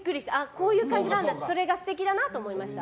こういう感じなんだそれが素敵だなと思いました。